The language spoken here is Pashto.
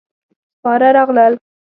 سپاره راغلل.